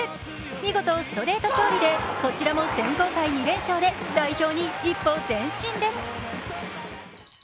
見事ストレート勝利でこちらも選考会２連勝で代表に一歩前進です。